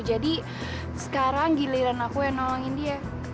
jadi sekarang giliran aku yang nolongin dia